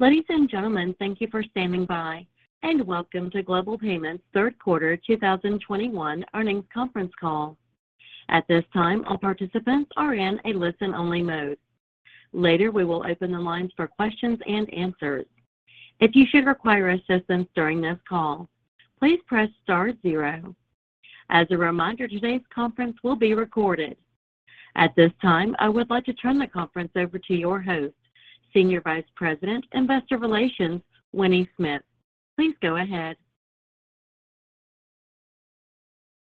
Ladies and gentlemen, thank you for standing by, and welcome to Global Payments' Third Quarter 2021 Earnings Conference Call. At this time, all participants are in a listen-only mode. Later, we will open the lines for questions and answers. If you should require assistance during this call, please press star zero. As a reminder, today's conference will be recorded. At this time, I would like to turn the conference over to your host, Senior Vice President, Investor Relations, Winnie Smith. Please go ahead.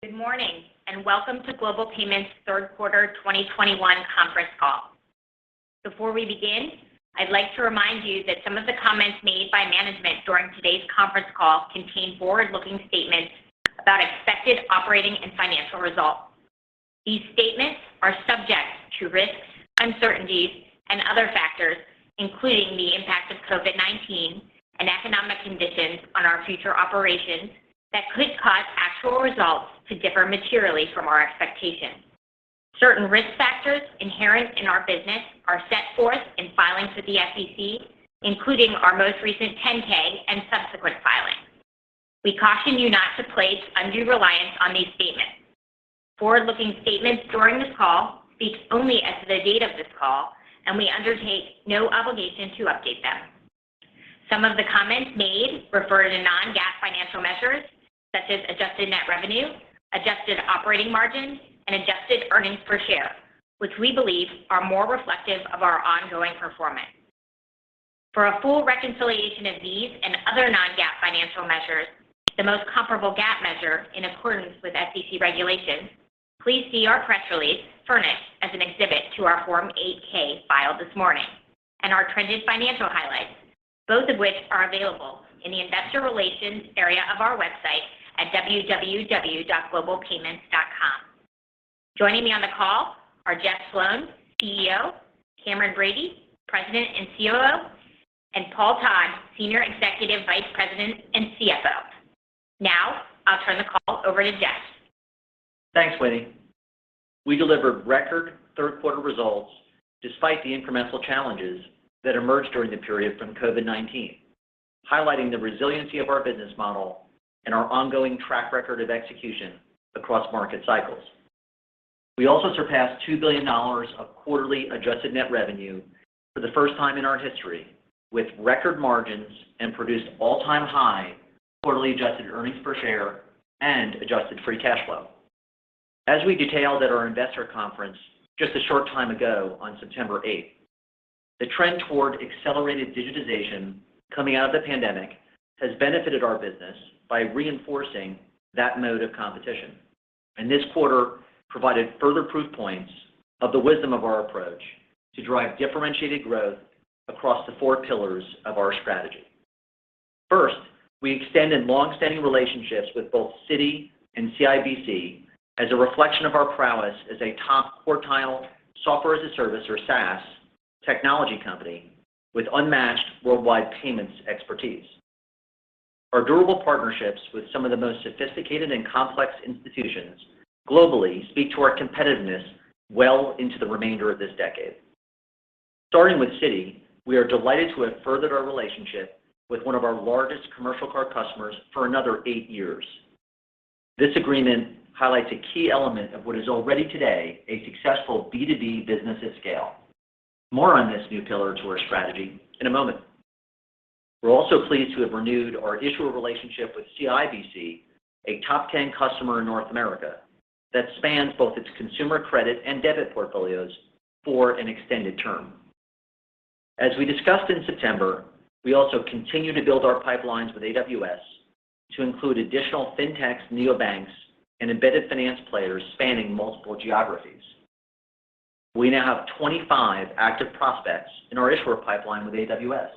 Good morning and welcome to Global Payments' Third Quarter 2021 Conference Call. Before we begin, I'd like to remind you that some of the comments made by management during today's conference call contain forward-looking statements about expected operating and financial results. These statements are subject to risks, uncertainties and other factors, including the impact of COVID-19 and economic conditions on our future operations that could cause actual results to differ materially from our expectations. Certain risk factors inherent in our business are set forth in filings with the SEC, including our most recent 10-K and subsequent filings. We caution you not to place undue reliance on these statements. Forward-looking statements during this call speak only as of the date of this call, and we undertake no obligation to update them. Some of the comments made refer to non-GAAP financial measures such as adjusted net revenue, adjusted operating margin and adjusted earnings per share, which we believe are more reflective of our ongoing performance. For a full reconciliation of these and other non-GAAP financial measures to the most comparable GAAP measure in accordance with SEC regulations, please see our press release furnished as an exhibit to our Form 8-K filed this morning and our trended financial highlights, both of which are available in the investor relations area of our website at www.globalpayments.com. Joining me on the call are Jeff Sloan, CEO, Cameron Bready, President and COO, and Paul Todd, Senior Executive Vice President and CFO. Now I'll turn the call over to Jeff. Thanks, Winnie. We delivered record third quarter results despite the incremental challenges that emerged during the period from COVID-19, highlighting the resiliency of our business model and our ongoing track record of execution across market cycles. We also surpassed $2 billion of quarterly adjusted net revenue for the first time in our history with record margins and produced all-time high quarterly adjusted earnings per share and adjusted free cash flow. As we detailed at our investor conference just a short time ago on September 8, the trend toward accelerated digitization coming out of the pandemic has benefited our business by reinforcing that mode of competition. This quarter provided further proof points of the wisdom of our approach to drive differentiated growth across the four pillars of our strategy. First, we extended long-standing relationships with both Citi and CIBC as a reflection of our prowess as a top-quartile software-as-a-service or SaaS technology company with unmatched worldwide payments expertise. Our durable partnerships with some of the most sophisticated and complex institutions globally speak to our competitiveness well into the remainder of this decade. Starting with Citi, we are delighted to have furthered our relationship with one of our largest commercial card customers for another eight years. This agreement highlights a key element of what is already today a successful B2B business at scale. More on this new pillar to our strategy in a moment. We're also pleased to have renewed our issuer relationship with CIBC, a top 10 customer in North America that spans both its consumer credit and debit portfolios for an extended term. As we discussed in September, we also continue to build our pipelines with AWS to include additional fintechs, neobanks and embedded finance players spanning multiple geographies. We now have 25 active prospects in our issuer pipeline with AWS,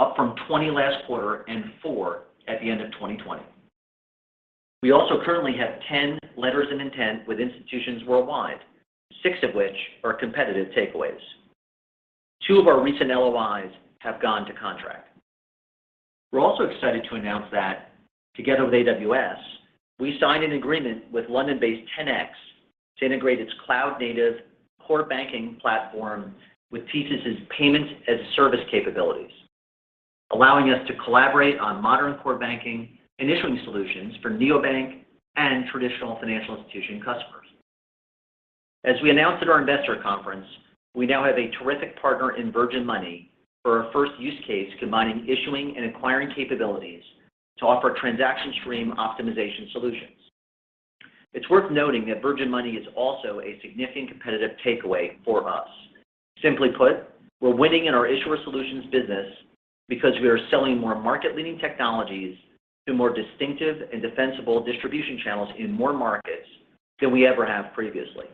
up from 20 last quarter and four at the end of 2020. We also currently have 10 letters of intent with institutions worldwide, six of which are competitive takeaways. Two of our recent LOIs have gone to contract. We're also excited to announce that together with AWS, we signed an agreement with London-based 10x to integrate its cloud-native core banking platform with TSYS's payment-as-a-service capabilities, allowing us to collaborate on modern core banking and issuing solutions for neobank and traditional financial institution customers. As we announced at our investor conference, we now have a terrific partner in Virgin Money for our first use case combining issuing and acquiring capabilities to offer transaction stream optimization solutions. It's worth noting that Virgin Money is also a significant competitive takeaway for us. Simply put, we're winning in our issuer solutions business because we are selling more market-leading technologies to more distinctive and defensible distribution channels in more markets than we ever have previously.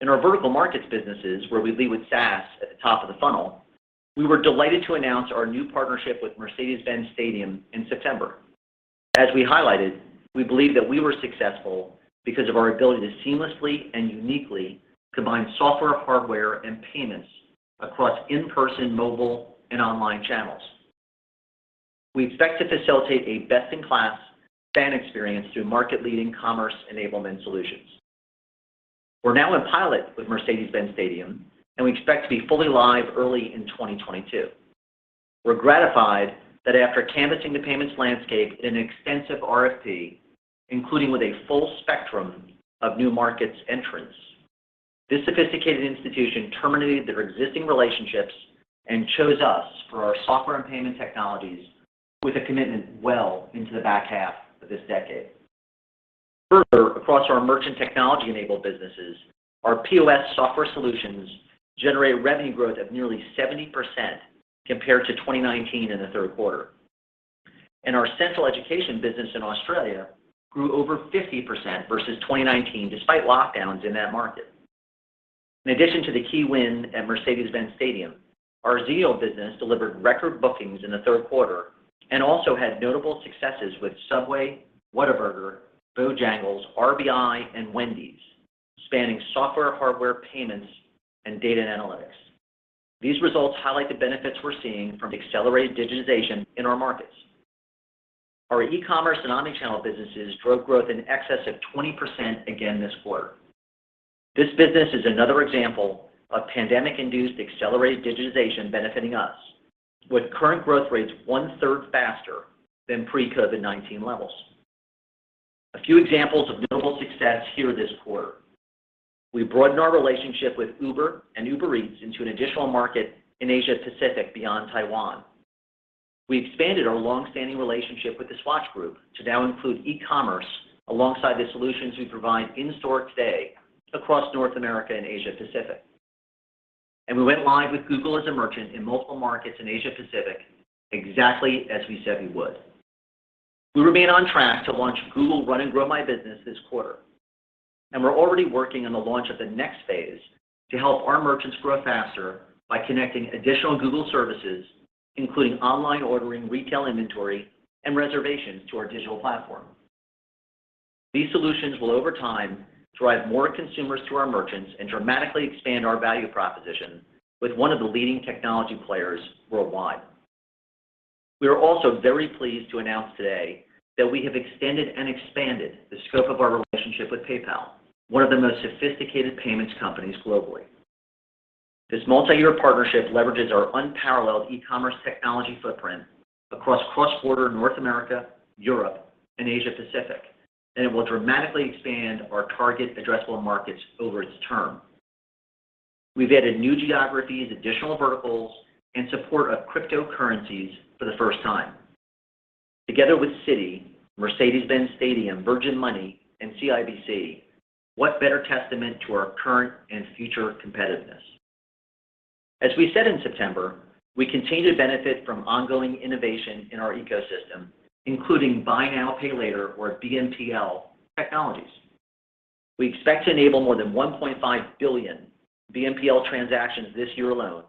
In our vertical markets businesses where we lead with SaaS at the top of the funnel, we were delighted to announce our new partnership with Mercedes-Benz Stadium in September. As we highlighted, we believe that we were successful because of our ability to seamlessly and uniquely combine software, hardware and payments across in-person, mobile and online channels. We expect to facilitate a best-in-class fan experience through market-leading commerce enablement solutions. We're now in pilot with Mercedes-Benz Stadium, and we expect to be fully live early in 2022. We're gratified that after canvassing the payments landscape in an extensive RFP, including with a full spectrum of new markets entrants, this sophisticated institution terminated their existing relationships and chose us for our software and payment technologies with a commitment well into the back half of this decade. Further, across our merchant technology-enabled businesses, our POS software solutions generated revenue growth of nearly 70% compared to 2019 in the third quarter. Our Sentral Education business in Australia grew over 50% versus 2019 despite lockdowns in that market. In addition to the key win at Mercedes-Benz Stadium, our Xenial business delivered record bookings in the third quarter and also had notable successes with Subway, Whataburger, Bojangles, RBI, and Wendy's, spanning software, hardware, payments, and data and analytics. These results highlight the benefits we're seeing from accelerated digitization in our markets. Our e-commerce and omnichannel businesses drove growth in excess of 20% again this quarter. This business is another example of pandemic-induced accelerated digitization benefiting us with current growth rates one-third faster than pre-COVID-19 levels. A few examples of notable success here this quarter. We broadened our relationship with Uber and Uber Eats into an additional market in Asia-Pacific beyond Taiwan. We expanded our long-standing relationship with The Swatch Group to now include e-commerce alongside the solutions we provide in-store today across North America and Asia-Pacific. We went live with Google as a merchant in multiple markets in Asia-Pacific exactly as we said we would. We remain on track to launch Google Run and Grow My Business this quarter, and we're already working on the launch of the next phase to help our merchants grow faster by connecting additional Google services, including online ordering, retail inventory, and reservations to our digital platform. These solutions will over time drive more consumers to our merchants and dramatically expand our value proposition with one of the leading technology players worldwide. We are also very pleased to announce today that we have extended and expanded the scope of our relationship with PayPal, one of the most sophisticated payments companies globally. This multi-year partnership leverages our unparalleled e-commerce technology footprint across cross-border North America, Europe, and Asia-Pacific, and it will dramatically expand our target addressable markets over its term. We've added new geographies, additional verticals, and support of cryptocurrencies for the first time. Together with Citi, Mercedes-Benz Stadium, Virgin Money, and CIBC, what better testament to our current and future competitiveness? As we said in September, we continue to benefit from ongoing innovation in our ecosystem, including buy now, pay later or BNPL technologies. We expect to enable more than 1.5 billion BNPL transactions this year alone,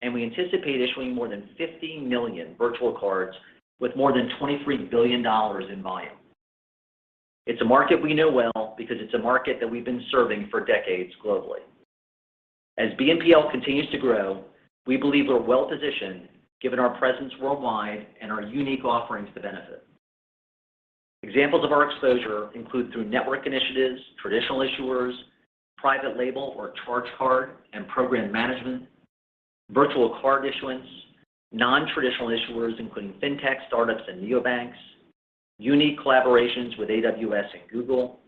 and we anticipate issuing more than 50 million virtual cards with more than $23 billion in volume. It's a market we know well because it's a market that we've been serving for decades globally. As BNPL continues to grow, we believe we're well-positioned given our presence worldwide and our unique offerings to benefit. Examples of our exposure include through network initiatives, traditional issuers, private label or charge card and program management, virtual card issuance, non-traditional issuers including fintech, startups, and neobanks, unique collaborations with AWS and Google,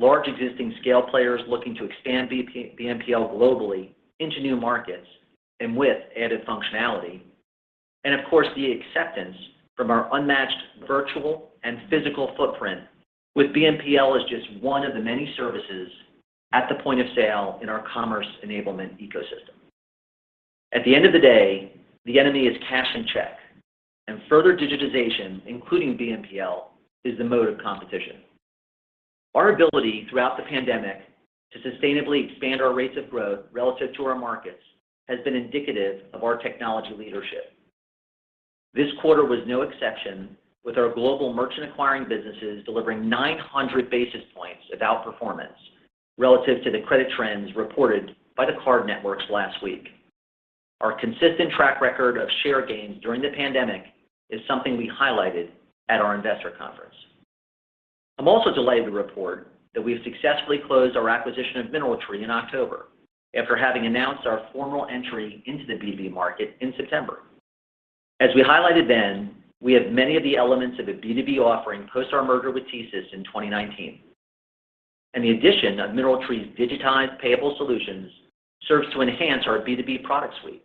large existing scale players looking to expand BNPL globally into new markets and with added functionality, and of course, the acceptance from our unmatched virtual and physical footprint with BNPL as just one of the many services at the point-of-sale in our commerce enablement ecosystem. At the end of the day, the enemy is cash and check, and further digitization, including BNPL, is the mode of competition. Our ability throughout the pandemic to sustainably expand our rates of growth relative to our markets has been indicative of our technology leadership. This quarter was no exception with our global merchant acquiring businesses delivering 900 basis points of outperformance relative to the credit trends reported by the card networks last week. Our consistent track record of share gains during the pandemic is something we highlighted at our investor conference. I'm also delighted to report that we've successfully closed our acquisition of MineralTree in October after having announced our formal entry into the B2B market in September. As we highlighted then, we have many of the elements of a B2B offering post our merger with TSYS in 2019. The addition of MineralTree's digitized payable solutions serves to enhance our B2B product suite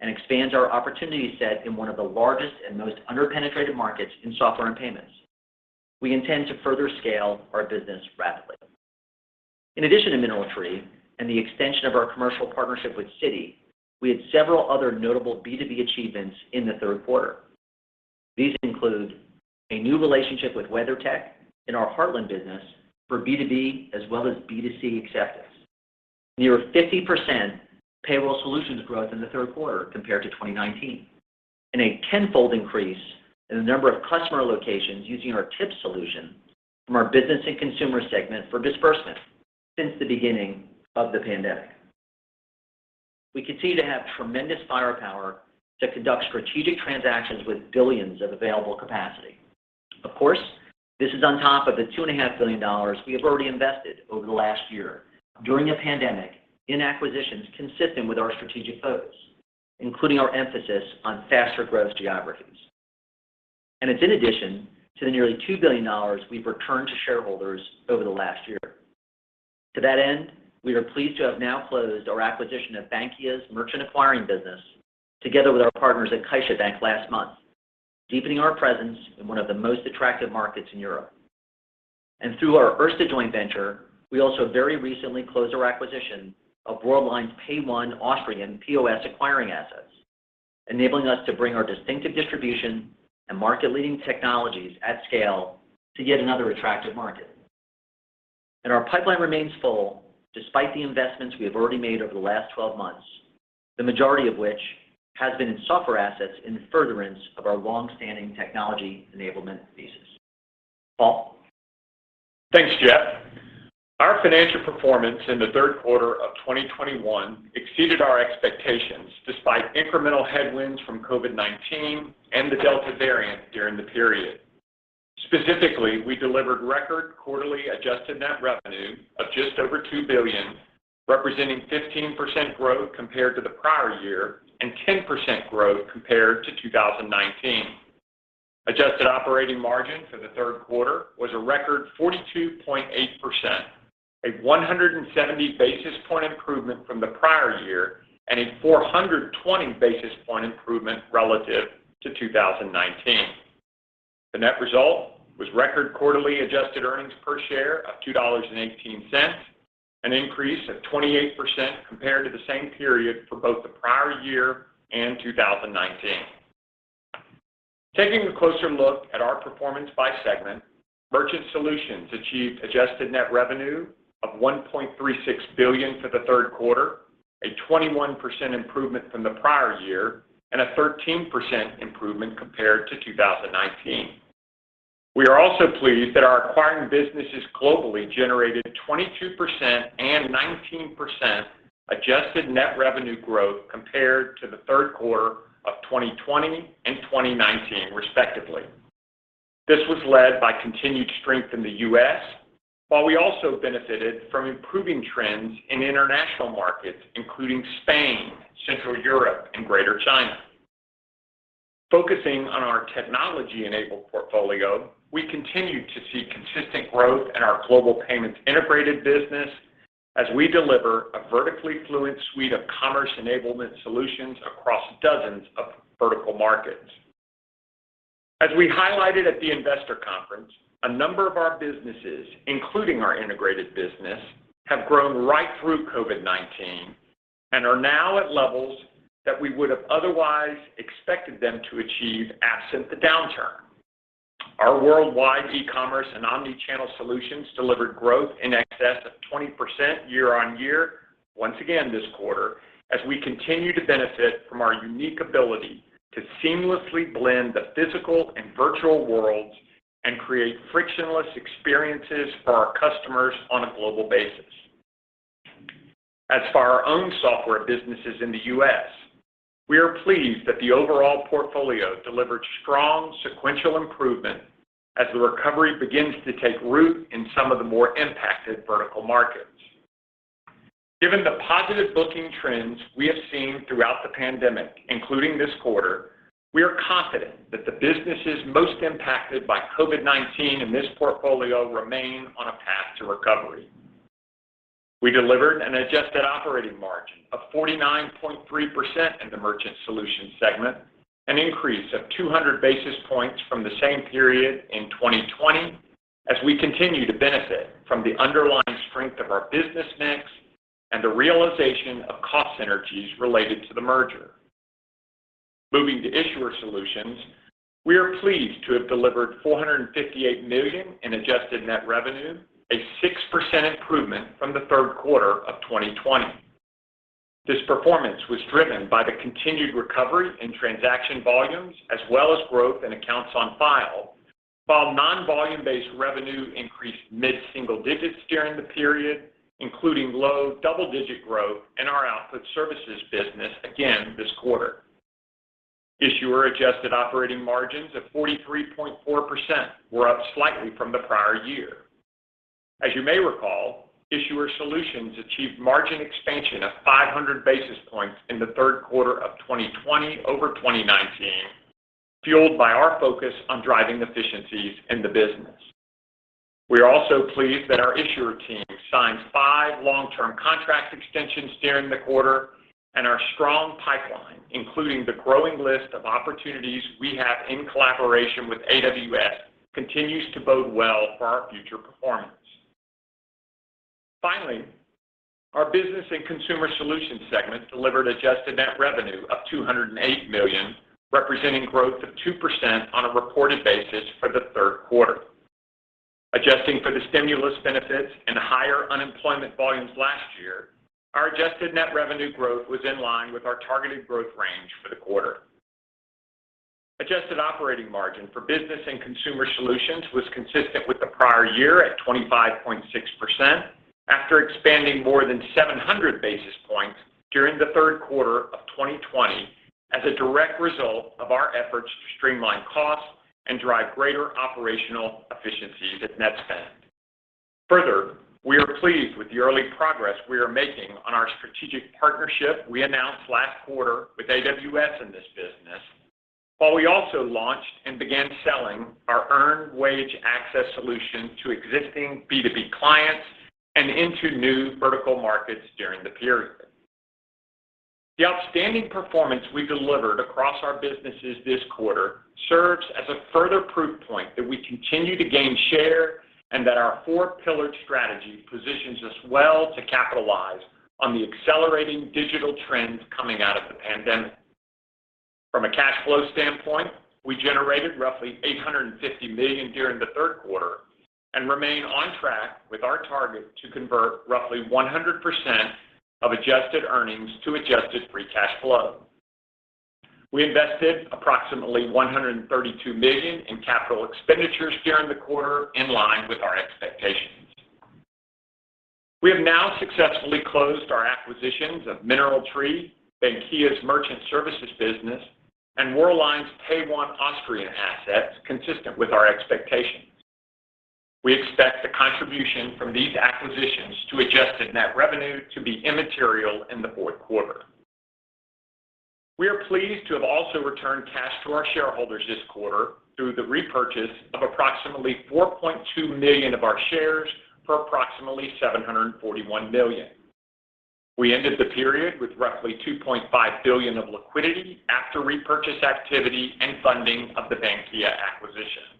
and expands our opportunity set in one of the largest and most underpenetrated markets in software and payments. We intend to further scale our business rapidly. In addition to MineralTree and the extension of our commercial partnership with Citi, we had several other notable B2B achievements in the third quarter. These include a new relationship with WeatherTech in our Heartland business for B2B as well as B2C acceptance, near 50% payroll solutions growth in the third quarter compared to 2019, and a tenfold increase in the number of customer locations using our tips solution from our business and consumer segment for disbursement since the beginning of the pandemic. We continue to have tremendous firepower to conduct strategic transactions with billions of available capacity. Of course, this is on top of the $2.5 billion we have already invested over the last year during a pandemic in acquisitions consistent with our strategic focus, including our emphasis on faster growth geographies. It's in addition to the nearly $2 billion we've returned to shareholders over the last year. To that end, we are pleased to have now closed our acquisition of Bankia's merchant acquiring business together with our partners at CaixaBank last month, deepening our presence in one of the most attractive markets in Europe. Through our Erste joint venture, we also very recently closed our acquisition of Worldline's PAYONE Austrian POS acquiring assets, enabling us to bring our distinctive distribution and market-leading technologies at scale to yet another attractive market. Our pipeline remains full despite the investments we have already made over the last 12 months, the majority of which has been in software assets in furtherance of our long-standing technology enablement thesis. Paul? Thanks, Jeff. Our financial performance in the third quarter of 2021 exceeded our expectations despite incremental headwinds from COVID-19 and the Delta variant during the period. Specifically, we delivered record quarterly adjusted net revenue of just over $2 billion, representing 15% growth compared to the prior year and 10% growth compared to 2019. Adjusted operating margin for the third quarter was a record 42.8%, a 170 basis point improvement from the prior year and a 420 basis point improvement relative to 2019. The net result was record quarterly adjusted earnings per share of $2.18, an increase of 28% compared to the same period for both the prior year and 2019. Taking a closer look at our performance by segment, Merchant Solutions achieved adjusted net revenue of $1.36 billion for the third quarter, a 21% improvement from the prior year and a 13% improvement compared to 2019. We are also pleased that our acquiring businesses globally generated 22% and 19% adjusted net revenue growth compared to the third quarter of 2020 and 2019 respectively. This was led by continued strength in the U.S., while we also benefited from improving trends in international markets, including Spain, Central Europe and Greater China. Focusing on our technology-enabled portfolio, we continue to see consistent growth in our Global Payments integrated business as we deliver a vertically fluent suite of commerce enablement solutions across dozens of vertical markets. As we highlighted at the investor conference, a number of our businesses, including our integrated business, have grown right through COVID-19 and are now at levels that we would have otherwise expected them to achieve absent the downturn. Our worldwide e-commerce and omni-channel solutions delivered growth in excess of 20% year-over-year once again this quarter as we continue to benefit from our unique ability to seamlessly blend the physical and virtual worlds and create frictionless experiences for our customers on a global basis. As for our own software businesses in the U.S., we are pleased that the overall portfolio delivered strong sequential improvement as the recovery begins to take root in some of the more impacted vertical markets. Given the positive booking trends we have seen throughout the pandemic, including this quarter, we are confident that the businesses most impacted by COVID-19 in this portfolio remain on a path to recovery. We delivered an adjusted operating margin of 49.3% in the Merchant Solutions segment, an increase of 200 basis points from the same period in 2020 as we continue to benefit from the underlying strength of our business mix and the realization of cost synergies related to the merger. Moving to Issuer Solutions, we are pleased to have delivered $458 million in adjusted net revenue, a 6% improvement from the third quarter of 2020. This performance was driven by the continued recovery in transaction volumes as well as growth in accounts on file, while non-volume-based revenue increased mid-single digits during the period, including low double-digit growth in our output services business again this quarter. Issuer adjusted operating margins of 43.4% were up slightly from the prior year. As you may recall, issuer solutions achieved margin expansion of 500 basis points in the third quarter of 2020 over 2019, fueled by our focus on driving efficiencies in the business. We are also pleased that our issuer team signed 5 long-term contract extensions during the quarter and our strong pipeline, including the growing list of opportunities we have in collaboration with AWS, continues to bode well for our future performance. Finally, our business and consumer solutions segment delivered adjusted net revenue of $208 million, representing growth of 2% on a reported basis for the third quarter. Adjusting for the stimulus benefits and higher unemployment volumes last year, our adjusted net revenue growth was in line with our targeted growth range for the quarter. Adjusted operating margin for business and consumer solutions was consistent with the prior year at 25.6% after expanding more than 700 basis points during the third quarter of 2020 as a direct result of our efforts to streamline costs and drive greater operational efficiencies at Netspend. Further, we are pleased with the early progress we are making on our strategic partnership we announced last quarter with AWS in this business, while we also launched and began selling our earned wage access solution to existing B2B clients and into new vertical markets during the period. The outstanding performance we delivered across our businesses this quarter serves as a further proof point that we continue to gain share and that our four-pillared strategy positions us well to capitalize on the accelerating digital trends coming out of the pandemic. From a cash flow standpoint, we generated roughly $850 million during the third quarter and remain on track with our target to convert roughly 100% of adjusted earnings to adjusted free cash flow. We invested approximately $132 million in capital expenditures during the quarter in line with our expectations. We have now successfully closed our acquisitions of MineralTree, Bankia's merchant services business, and Worldline's PAYONE Austrian assets consistent with our expectations. We expect the contribution from these acquisitions to adjusted net revenue to be immaterial in the fourth quarter. We are pleased to have also returned cash to our shareholders this quarter through the repurchase of approximately 4.2 million of our shares for approximately $741 million. We ended the period with roughly $2.5 billion of liquidity after repurchase activity and funding of the Bankia acquisition.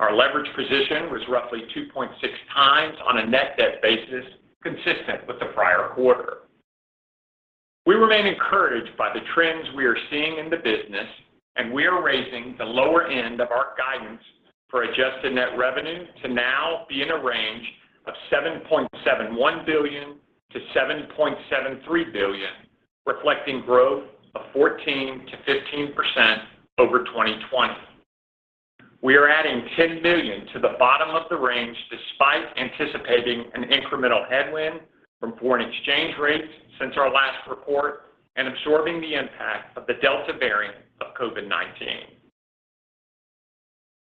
Our leverage position was roughly 2.6 times on a net debt basis consistent with the prior quarter. We remain encouraged by the trends we are seeing in the business, and we are raising the lower end of our guidance for adjusted net revenue to now be in a range of $7.71 billion-$7.73 billion, reflecting growth of 14%-15% over 2020. We are adding $10 billion to the bottom of the range despite anticipating an incremental headwind from foreign exchange rates since our last report and absorbing the impact of the Delta variant of COVID-19.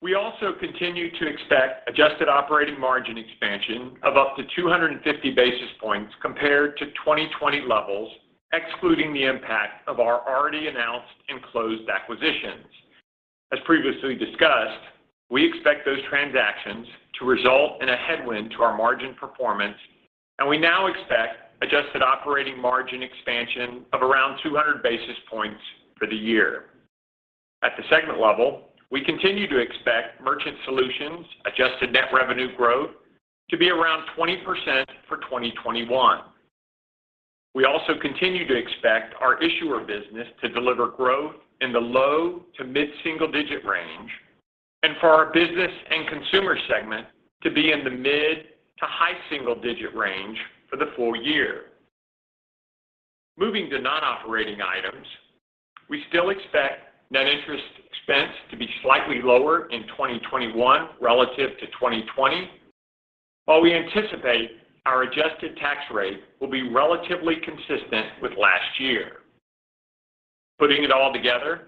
We also continue to expect adjusted operating margin expansion of up to 250 basis points compared to 2020 levels, excluding the impact of our already announced and closed acquisitions. As previously discussed, we expect those transactions to result in a headwind to our margin performance, and we now expect adjusted operating margin expansion of around 200 basis points for the year. At the segment level, we continue to expect Merchant Solutions adjusted net revenue growth to be around 20% for 2021. We also continue to expect our issuer business to deliver growth in the low- to mid-single-digit range and for our business and consumer segment to be in the mid- to high-single-digit range for the full year. Moving to non-operating items, we still expect net interest expense to be slightly lower in 2021 relative to 2020, while we anticipate our adjusted tax rate will be relatively consistent with last year. Putting it all together,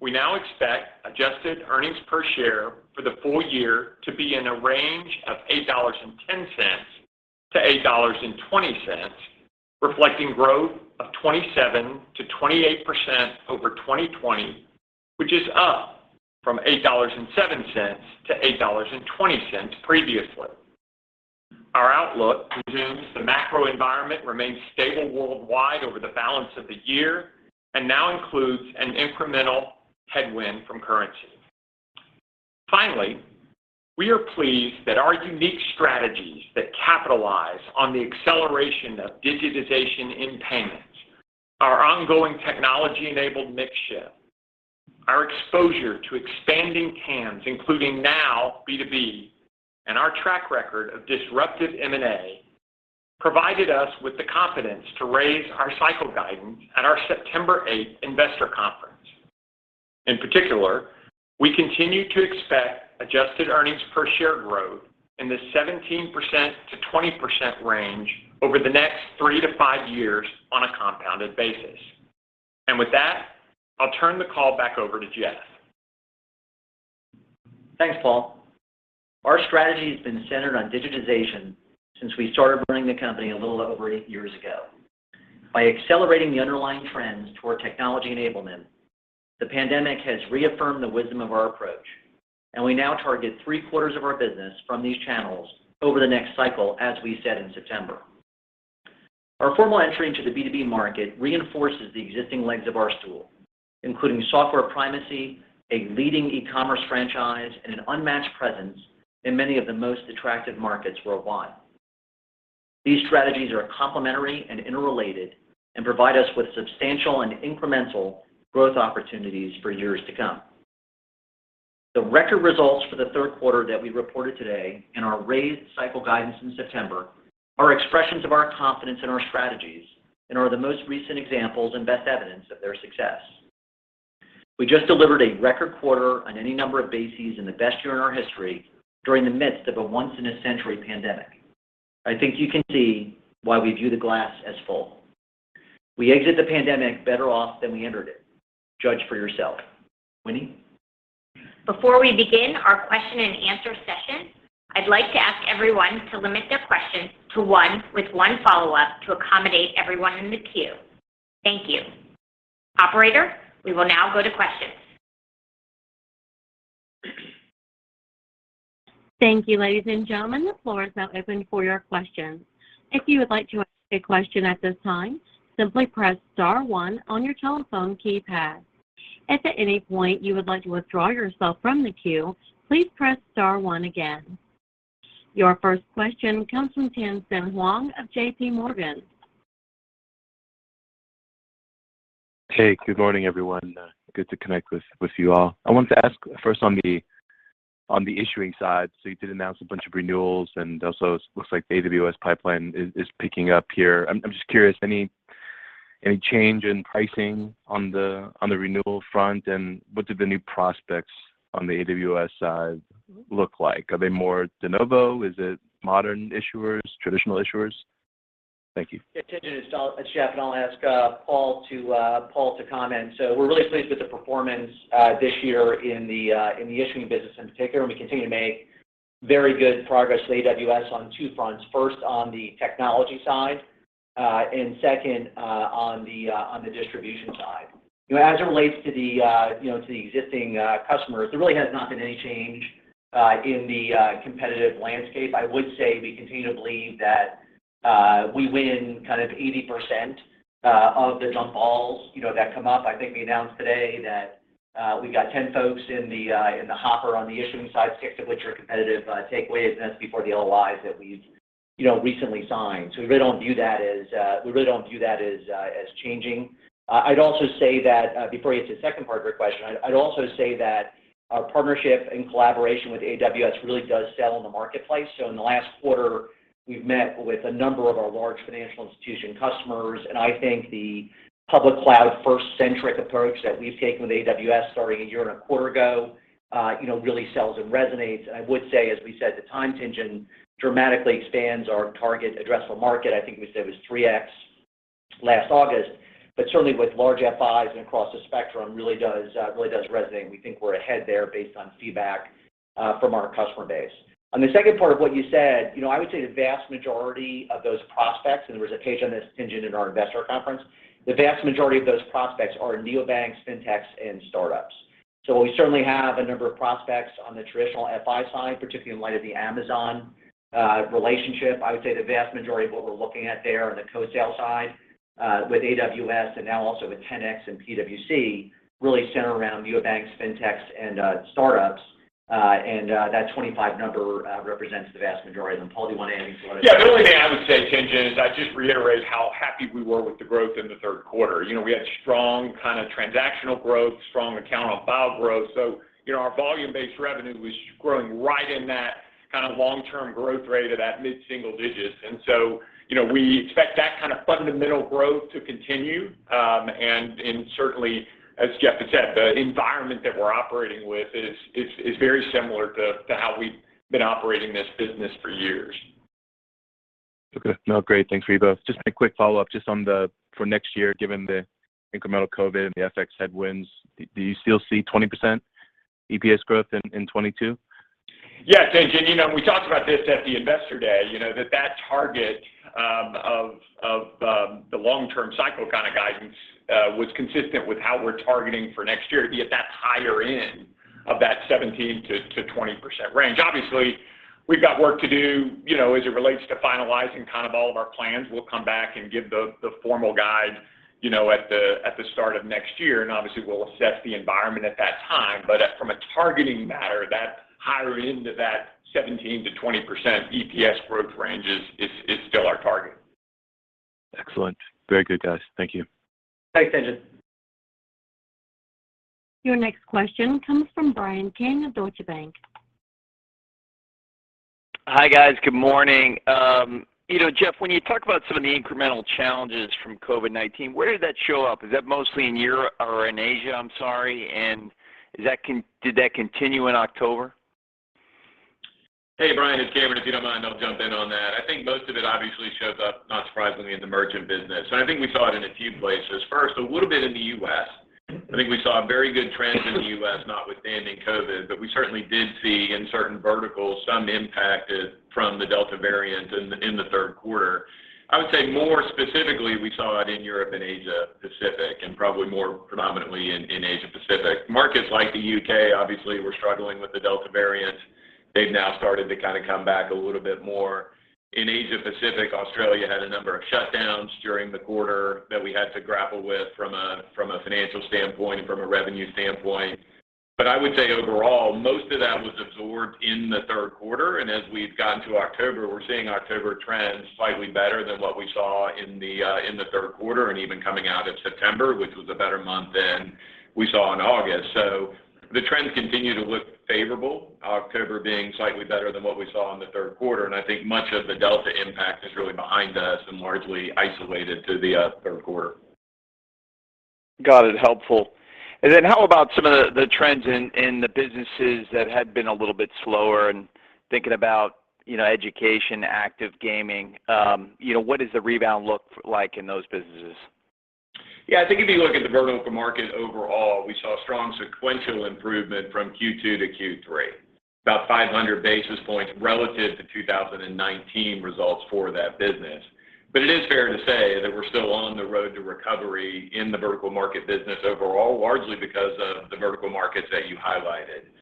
we now expect adjusted earnings per share for the full year to be in a range of $8.10-$8.20, reflecting growth of 27%-28% over 2020, which is up from $8.07-$8.20 previously. Our outlook presumes the macro environment remains stable worldwide over the balance of the year and now includes an incremental headwind from currency. Finally, we are pleased that our unique strategies that capitalize on the acceleration of digitization in payments, our ongoing technology-enabled mix shift, our exposure to expanding TAMs, including now B2B, and our track record of disruptive M&A provided us with the confidence to raise our cycle guidance at our September 8 investor conference. In particular, we continue to expect adjusted earnings per share growth in the 17%-20% range over the next 3-5 years on a compounded basis. With that, I'll turn the call back over to Jeff. Thanks, Paul. Our strategy has been centered on digitization since we started running the company a little over eight years ago. By accelerating the underlying trends toward technology enablement, the pandemic has reaffirmed the wisdom of our approach, and we now target three-quarters of our business from these channels over the next cycle, as we said in September. Our formal entry into the B2B market reinforces the existing legs of our stool, including software primacy, a leading e-commerce franchise, and an unmatched presence in many of the most attractive markets worldwide. These strategies are complementary and interrelated and provide us with substantial and incremental growth opportunities for years to come. The record results for the third quarter that we reported today and our raised cycle guidance in September are expressions of our confidence in our strategies and are the most recent examples and best evidence of their success. We just delivered a record quarter on any number of bases in the best year in our history during the midst of a once-in-a-century pandemic. I think you can see why we view the glass as full. We exit the pandemic better off than we entered it. Judge for yourself. Winnie? Before we begin our question and answer session, I'd like to ask everyone to limit their question to one with one follow-up to accommodate everyone in the queue. Thank you. Operator, we will now go to questions. Thank you, ladies and gentlemen. The floor is now open for your questions. If you would like to ask a question at this time, simply press star one on your telephone keypad. If at any point you would like to withdraw yourself from the queue, please press star one again. Your first question comes from Tien-Tsin Huang of J.P. Morgan. Hey, good morning, everyone. Good to connect with you all. I wanted to ask first on the issuing side. You did announce a bunch of renewals, and also it looks like the AWS pipeline is picking up here. I'm just curious, any change in pricing on the renewal front? What do the new prospects on the AWS side look like? Are they more de novo? Is it modern issuers, traditional issuers? Thank you. Yeah. Tien-Tsin Huang, it's Jeff Sloan, and I'll ask Paul Todd to comment. We're really pleased with the performance this year in the issuing business in particular, and we continue to make very good progress with AWS on two fronts, first on the technology side, and second, on the distribution side. As it relates to the existing customers, there really has not been any change in the competitive landscape. I would say we continue to believe that we win kind of 80% of the jump balls, you know, that come up. I think we announced today that we've got 10 folks in the hopper on the issuing side, 6 of which are competitive takeaways, and that's before the LOIs that we've you know recently signed. We really don't view that as changing. I'd also say that before I get to the second part of your question, I'd also say that our partnership and collaboration with AWS really does sell in the marketplace. In the last quarter, we've met with a number of our large financial institution customers, and I think the public cloud first centric approach that we've taken with AWS starting a year and a quarter ago you know really sells and resonates. I would say, as we said at the time, Tien-Tsin dramatically expands our target addressable market. I think we said it was 3x last August. Certainly with large FIs and across the spectrum really does resonate, and we think we're ahead there based on feedback from our customer base. On the second part of what you said, you know, I would say the vast majority of those prospects, and there was a page on this, Tien-Tsin Huang, in our investor conference, the vast majority of those prospects are neobanks, fintechs and startups. We certainly have a number of prospects on the traditional FI side, particularly in light of the Amazon relationship. I would say the vast majority of what we're looking at there on the co-sale side with AWS and now also with 10x and PwC really center around neobanks, fintechs and startups. That 25 number represents the vast majority of them. Paul, do you want to add anything to that? Yeah. The only thing I would say, Tien-Tsin Huang, is I'd just reiterate how happy we were with the growth in the third quarter. We had strong kind of transactional growth, strong account on file growth. You know, our volume-based revenue was growing right in that kind of long-term growth rate of that mid-single digits. We expect that kind of fundamental growth to continue. And certainly as Jeff Sloan has said, the environment that we're operating with is very similar to how we've been operating this business for years. Okay. No. Great. Thanks for you both. Just a quick follow-up just on the for next year, given the incremental COVID and the FX headwinds, do you still see 20% EPS growth in 2022? Yes. Tien-Tsin Huang, you know, we talked about this at the Investor Day, you know, that target of the long-term cycle kind of guidance was consistent with how we're targeting for next year to be at that higher end of that 17%-20% range. Obviously, we've got work to do, you know, as it relates to finalizing kind of all of our plans. We'll come back and give the formal guide, you know, at the start of next year, and obviously we'll assess the environment at that time. From a targeting matter, that higher end of that 17%-20% EPS growth range is still our target. Excellent. Very good, guys. Thank you. Thanks, Tien-Tsin Huang. Your next question comes from Bryan Keane of Deutsche Bank. Hi, guys. Good morning. You know, Jeff, when you talk about some of the incremental challenges from COVID-19, where did that show up? Is that mostly in Europe or in Asia, I'm sorry. Did that continue in October? Hey, Bryan, it's Cameron. If you don't mind, I'll jump in on that. I think most of it obviously shows up, not surprisingly, in the merchant business. I think we saw it in a few places. First, a little bit in the U.S. I think we saw very good trends in the U.S., notwithstanding COVID-19, but we certainly did see in certain verticals some impact from the Delta variant in the third quarter. I would say more specifically, we saw it in Europe and Asia Pacific, and probably more predominantly in Asia Pacific. Markets like the U.K. obviously were struggling with the Delta variant. They've now started to kind of come back a little bit more. In Asia Pacific, Australia had a number of shutdowns during the quarter that we had to grapple with from a financial standpoint and from a revenue standpoint. I would say overall, most of that was absorbed in the third quarter, and as we've gotten to October, we're seeing October trends slightly better than what we saw in the third quarter and even coming out of September, which was a better month than We saw in August. The trends continue to look favorable, October being slightly better than what we saw in the third quarter. I think much of the Delta impact is really behind us and largely isolated to the third quarter. Got it. Helpful. How about some of the trends in the businesses that had been a little bit slower and thinking about, you know, education, active gaming, you know, what does the rebound look like in those businesses? Yeah. I think if you look at the vertical market overall, we saw strong sequential improvement from Q2 to Q3, about 500 basis points relative to 2019 results for that business. It is fair to say that we're still on the road to recovery in the vertical market business overall, largely because of the vertical markets that you highlighted.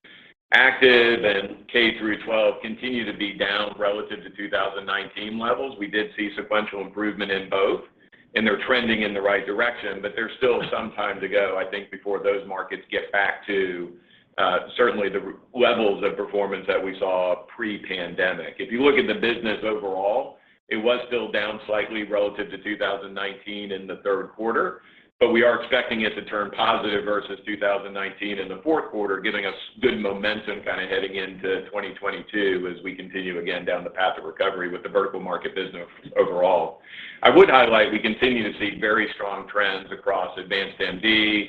Active and K through twelve continue to be down relative to 2019 levels. We did see sequential improvement in both, and they're trending in the right direction, but there's still some time to go, I think, before those markets get back to certainly the levels of performance that we saw pre-pandemic. If you look at the business overall, it was still down slightly relative to 2019 in the third quarter. We are expecting it to turn positive versus 2019 in the fourth quarter, giving us good momentum kind of heading into 2022 as we continue again down the path of recovery with the vertical market business overall. I would highlight, we continue to see very strong trends across AdvancedMD,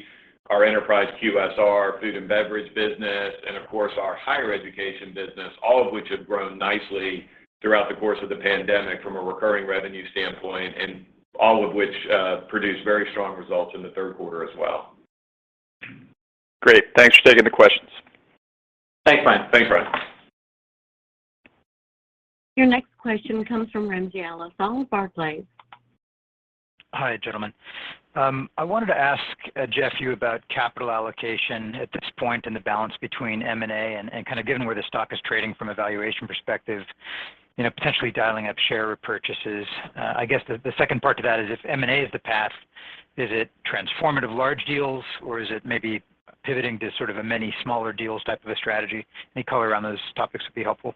our enterprise QSR, food and beverage business, and of course, our higher education business, all of which have grown nicely throughout the course of the pandemic from a recurring revenue standpoint, and all of which produced very strong results in the third quarter as well. Great. Thanks for taking the questions. Thanks, Bryan. Your next question comes from Ramsey El-Assal, Barclays. Hi, gentlemen. I wanted to ask Jeff about capital allocation at this point and the balance between M&A and kind of given where the stock is trading from a valuation perspective, you know, potentially dialing up share repurchases. I guess the second part to that is if M&A is the path, is it transformative large deals, or is it maybe pivoting to sort of a many smaller deals type of a strategy? Any color around those topics would be helpful.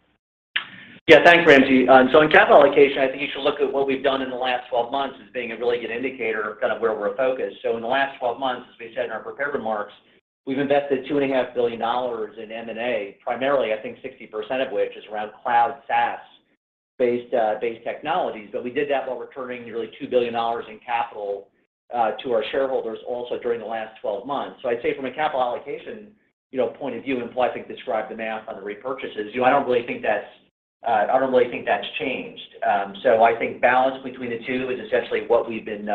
Yeah. Thanks, Ramsey. In capital allocation, I think you should look at what we've done in the last 12 months as being a really good indicator of kind of where we're focused. In the last 12 months, as we said in our prepared remarks, we've invested two and a half billion dollars in M&A, primarily. I think 60% of which is around cloud SaaS-based technologies. We did that while returning nearly $2 billion in capital to our shareholders also during the last 12 months. I'd say from a capital allocation, you know, point of view, and Paul described the math on the repurchases. I don't really think that's changed. I think balance between the two is essentially what we've been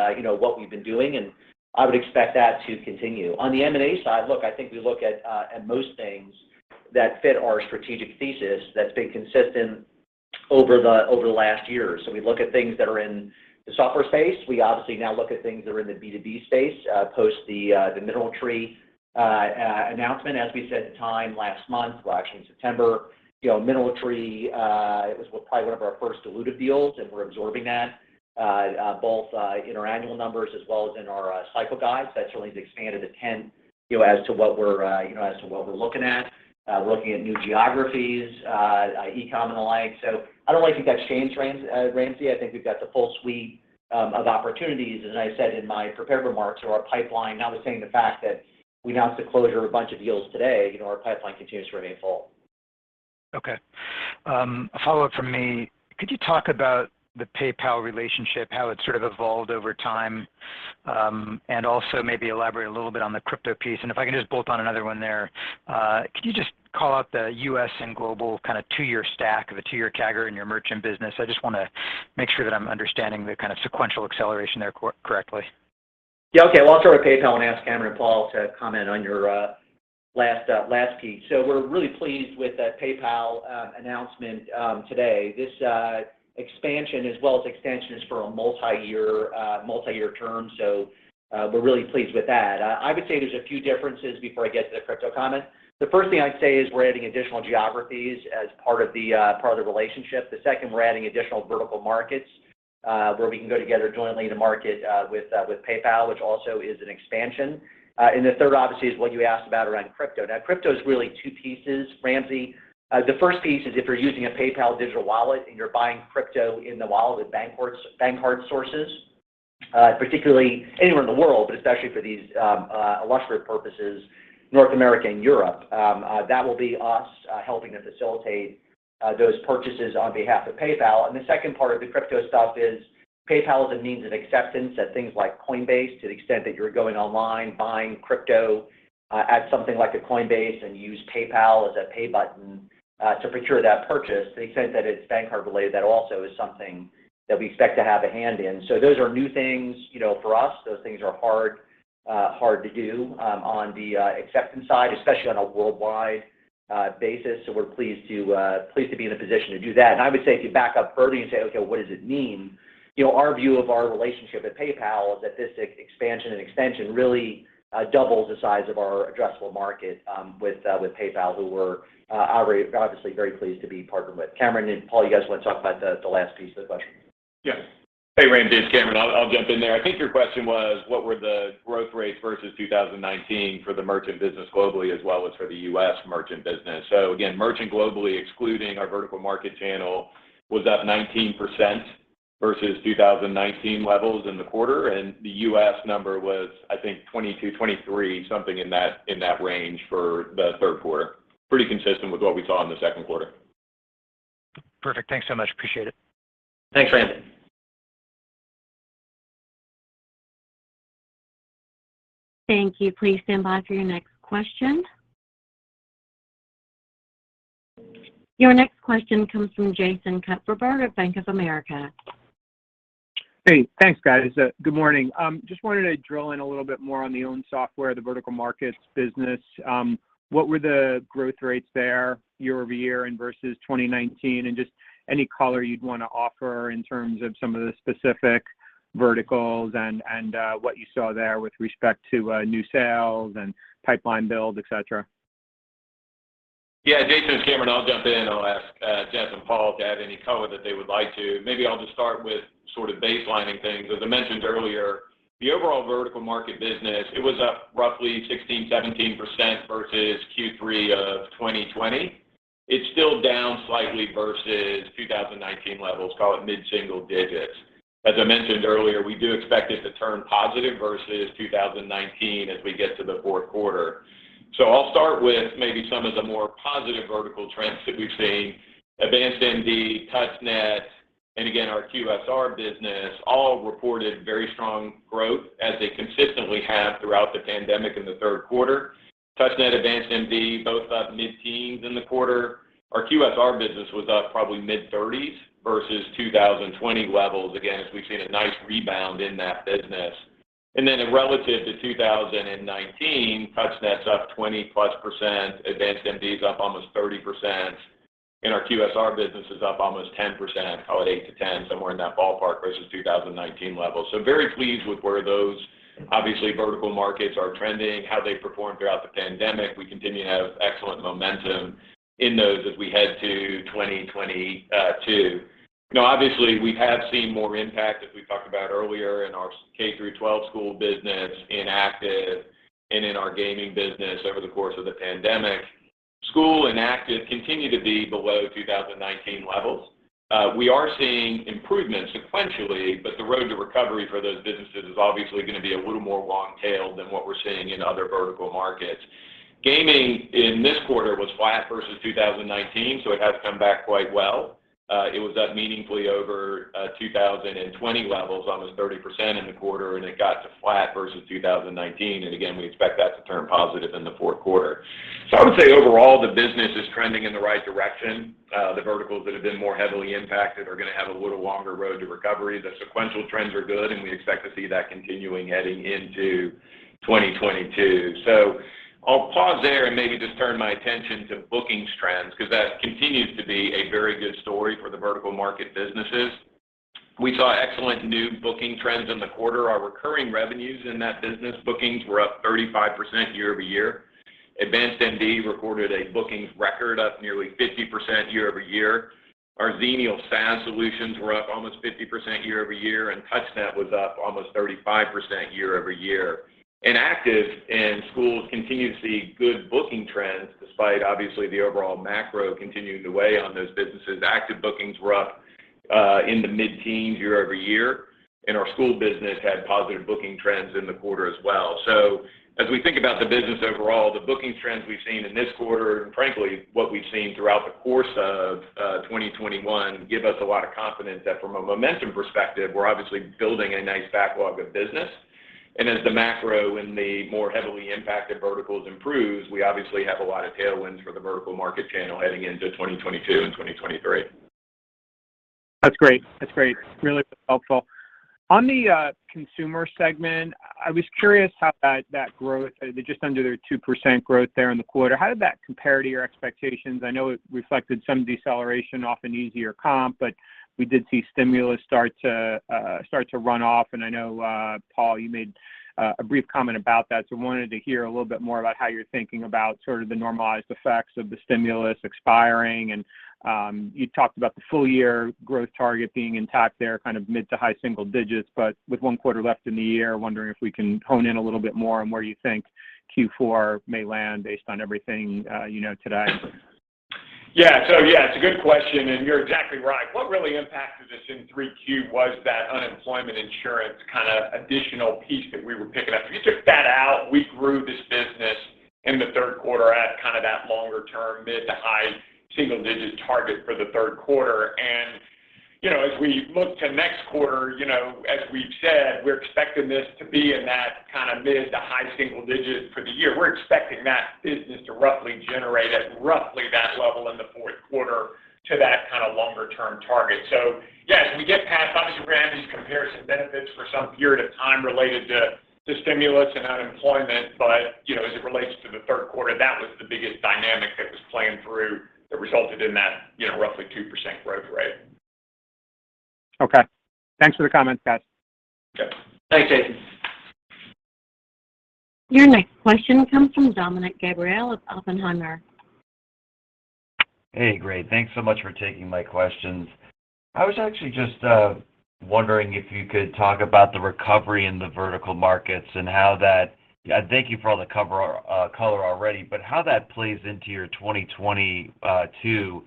doing, and I would expect that to continue. On the M&A side, look, I think we look at most things that fit our strategic thesis that's been consistent over the last year. We look at things that are in the software space. We obviously now look at things that are in the B2B space, post the MineralTree announcement. As we said at the time last month, well, actually in September, you know, MineralTree, it was probably one of our first dilutive deals, and we're absorbing that both in our annual numbers as well as in our cycle guides. That certainly has expanded the tent, you know, as to what we're looking at, looking at new geographies, e-com and the like. I don't really think that's changed, Ramsey. I think we've got the full suite of opportunities, as I said in my prepared remarks, so our pipeline notwithstanding the fact that we announced the closure of a bunch of deals today, you know, our pipeline continues to remain full. Okay. A follow-up from me. Could you talk about the PayPal relationship, how it sort of evolved over time, and also maybe elaborate a little bit on the crypto piece? If I can just bolt on another one there, could you just call out the U.S. and global kind of two-year stack of a two-year CAGR in your merchant business? I just wanna make sure that I'm understanding the kind of sequential acceleration there correctly. Yeah. Okay. Well, I'll start with PayPal and ask Cameron and Paul to comment on your last piece. We're really pleased with the PayPal announcement today. This expansion as well as extension is for a multi-year term. We're really pleased with that. I would say there's a few differences before I get to the crypto comment. The first thing I'd say is we're adding additional geographies as part of the relationship. The second, we're adding additional vertical markets where we can go together jointly to market with PayPal, which also is an expansion. The third obviously is what you asked about around crypto. Now, crypto is really two pieces, Ramsey. The first piece is if you're using a PayPal digital wallet and you're buying crypto in the wallet with bank card sources, particularly anywhere in the world, but especially for these illustrative purposes, North America and Europe, that will be us helping to facilitate those purchases on behalf of PayPal. The second part of the crypto stuff is PayPal is a means of acceptance at things like Coinbase, to the extent that you're going online, buying crypto at something like a Coinbase and use PayPal as a pay button to procure that purchase. To the extent that it's bank card related, that also is something that we expect to have a hand in. Those are new things, you know, for us. Those things are hard to do on the acceptance side, especially on a worldwide basis. We're pleased to be in a position to do that. I would say if you back up further and say, okay, what does it mean? You know, our view of our relationship with PayPal is that this expansion and extension really doubles the size of our addressable market with PayPal, who we're obviously very pleased to be partnered with. Cameron and Paul, you guys want to talk about the last piece of the question? Yeah. Hey, Ramsey. It's Cameron. I'll jump in there. I think your question was what were the growth rates versus 2019 for the merchant business globally as well as for the U.S. merchant business. Again, merchant globally, excluding our vertical market channel, was up 19% versus 2019 levels in the quarter, and the U.S. number was, I think, 22, 23, something in that range for the third quarter. Pretty consistent with what we saw in the second quarter. Perfect. Thanks so much. Appreciate it. Thanks, Ramsey. Thank you. Please stand by for your next question. Your next question comes from J Hey, thanks, guys. Good morning. Just wanted to drill in a little bit more on our own software, the vertical markets business. What were the growth rates there year-over-year and versus 2019, and just any color you'd want to offer in terms of some of the specific verticals and what you saw there with respect to new sales and pipeline build, et cetera. Yeah. Jason, it's Cameron. I'll jump in. I'll ask, Jeff and Paul to add any color that they would like to. Maybe I'll just start with sort of baselining things. As I mentioned earlier, the overall vertical market business, it was up roughly 16%-17% versus Q3 of 2020. It's still down slightly versus 2019 levels, call it mid-single digits. As I mentioned earlier, we do expect it to turn positive versus 2019 as we get to the fourth quarter. I'll start with maybe some of the more positive vertical trends that we've seen. AdvancedMD, TouchNet, and again, our QSR business all reported very strong growth as they consistently have throughout the pandemic in the third quarter. TouchNet, AdvancedMD, both up mid-teens in the quarter. Our QSR business was up probably mid-thirties versus 2020 levels. Again, as we've seen a nice rebound in that business. Then relative to 2019, TouchNet's up 20%+, AdvancedMD is up almost 30%, and our QSR business is up almost 10%, call it 8%-10%, somewhere in that ballpark versus 2019 levels. Very pleased with where those obviously vertical markets are trending, how they performed throughout the pandemic. We continue to have excellent momentum in those as we head to 2022. Obviously, we have seen more impact, as we talked about earlier, in our K-12 school business in Active and in our gaming business over the course of the pandemic. School and Active continue to be below 2019 levels. We are seeing improvements sequentially, but the road to recovery for those businesses is obviously going to be a little more long tail than what we're seeing in other vertical markets. Gaming in this quarter was flat versus 2019, so it has come back quite well. It was up meaningfully over 2020 levels, almost 30% in the quarter, and it got to flat versus 2019. We expect that to turn positive in the fourth quarter. I would say overall, the business is trending in the right direction. The verticals that have been more heavily impacted are going to have a little longer road to recovery. The sequential trends are good, and we expect to see that continuing heading into 2022. I'll pause there and maybe just turn my attention to bookings trends because that continues to be a very good story for the vertical market businesses. We saw excellent new booking trends in the quarter. Our recurring revenues in that business bookings were up 35% year-over-year. AdvancedMD recorded a bookings record up nearly 50% year-over-year. Our Xenial SaaS solutions were up almost 50% year-over-year, and TouchNet was up almost 35% year-over-year. Higher ed and schools continue to see good booking trends despite obviously the overall macro continuing to weigh on those businesses. Higher ed bookings were up in the mid-teens year-over-year, and our school business had positive booking trends in the quarter as well. As we think about the business overall, the booking trends we've seen in this quarter, and frankly, what we've seen throughout the course of 2021, give us a lot of confidence that from a momentum perspective, we're obviously building a nice backlog of business. As the macro and the more heavily impacted verticals improves, we obviously have a lot of tailwinds for the vertical market channel heading into 2022 and 2023. That's great. Really helpful. On the consumer segment, I was curious how that growth, just under their 2% growth there in the quarter, how did that compare to your expectations? I know it reflected some deceleration off an easier comp, but we did see stimulus start to run off. I know Paul, you made a brief comment about that. I wanted to hear a little bit more about how you're thinking about sort of the normalized effects of the stimulus expiring. You talked about the full year growth target being intact there, kind of mid- to high-single digits. With one quarter left in the year, wondering if we can hone in a little bit more on where you think Q4 may land based on everything you know today. Yeah. Yeah, it's a good question, and you're exactly right. What really impacted us in 3Q was that unemployment insurance kind of additional piece that we were picking up. If you took that out, we grew this business in the third quarter at kind of that longer-term mid- to high single-digit target for the third quarter. As we look to next quarter, you know, as we've said, we're expecting this to be in that kinda mid- to high single-digit for the year. We're expecting that business to roughly generate at roughly that level in the fourth quarter to that kinda longer-term target. Yes, we get past, obviously, Ramsey's comparison benefits for some period of time related to stimulus and unemployment. As it relates to the third quarter, that was the biggest dynamic that was playing through that resulted in that, you know, roughly 2% growth rate. Okay. Thanks for the comments, guys. Okay. Thanks, Jason. Your next question comes from Dominick Gabriele of Oppenheimer. Hey, great. Thanks so much for taking my questions. I was actually wondering if you could talk about the recovery in the vertical markets and how that plays into your 2022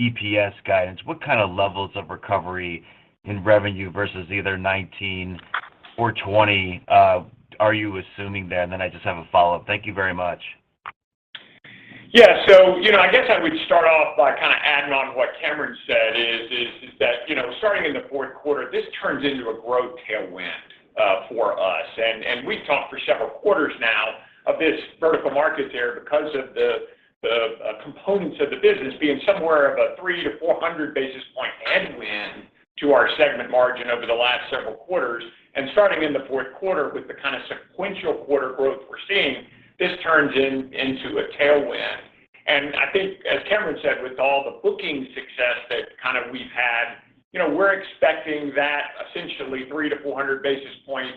EPS guidance. Thank you for all the color already, but what kind of levels of recovery in revenue versus either 2019, or '20, are you assuming that? I just have a follow-up. Thank you very much. Yeah, you know, I guess I would start off by kind of adding on what Cameron said is that, you know, starting in the fourth quarter, this turns into a growth tailwind for us. We've talked for several quarters now of this vertical market there because of the components of the business being somewhere of a 300-400 basis point headwind to our segment margin over the last several quarters. Starting in the fourth quarter with the kind of sequential quarter growth we're seeing, this turns into a tailwind. I think, as Cameron said, with all the booking success that kind of we've had, you know, we're expecting that essentially 300-400 basis point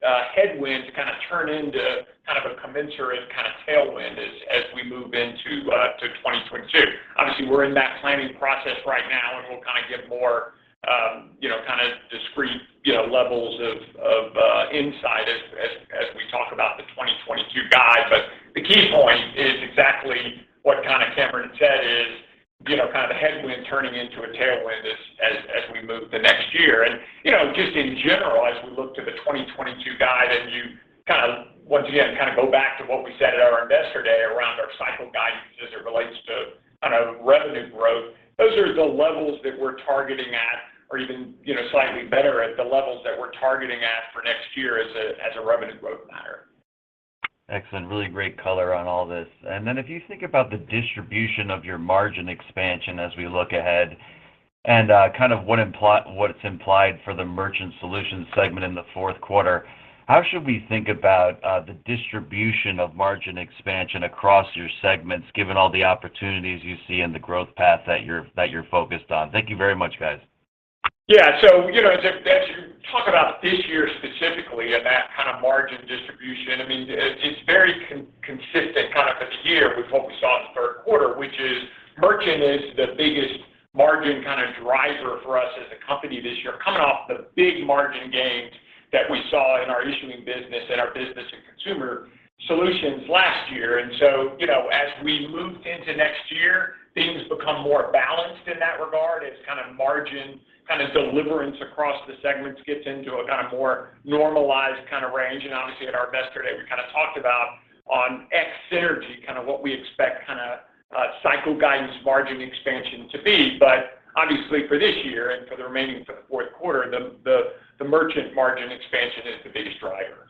headwind to kind of turn into kind of a commensurate kind of tailwind as we move into 2022. Obviously, we're in that planning process right now, and we'll kind of give more, you know, kind of discrete, you know, levels of insight as we talk about the 2022 guide. The key point is exactly what kind of Cameron said is, you know, kind of the headwind turning into a tailwind as we move to next year. In general, as we look to the 2022 guide, and you kind of once again kind of go back to what we said at our Investor Day around our cycle guidance as it relates to kind of revenue growth, those are the levels that we're targeting at or even, you know, slightly better at the levels that we're targeting at for next year as a revenue growth matter. Excellent. Really great color on all this. If you think about the distribution of your margin expansion as we look ahead and kind of what it's implied for the Merchant Solutions segment in the fourth quarter, how should we think about the distribution of margin expansion across your segments, given all the opportunities you see in the growth path that you're focused on? Thank you very much, guys. Yeah. As you talk about this year specifically and that kind of margin distribution, I mean, it's very consistent kind of for the year with what we saw in the third quarter, which is merchant is the biggest margin kind of driver for us as a company this year coming off the big margin gains that we saw in our issuing business and our business and consumer solutions last year. You know, as we move into next year, things become more balanced in that regard as kind of margin kind of delivery across the segments gets into a kind of more normalized kind of range. Obviously, at our Investor Day, we kind of talked about on ex-synergy kind of what we expect kind of cycle guidance margin expansion to be. Obviously, for this year and for the fourth quarter, the merchant margin expansion is the biggest driver.